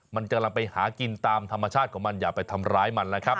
มันกำลังไปหากินตามธรรมชาติของมันอย่าไปทำร้ายมันนะครับ